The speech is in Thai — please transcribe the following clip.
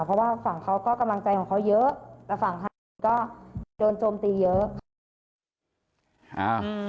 เพราะว่าฝั่งเขาก็กำลังใจของเขาเยอะแต่ฝั่งไทยเองก็โดนโจมตีเยอะ